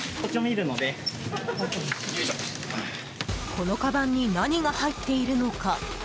このかばんに何が入っているのか？